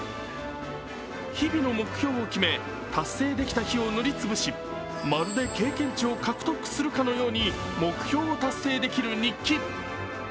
日々の目標を決め、達成できた日を塗りつぶし、まるで経験値を獲得するかのように目標を達成できる日記。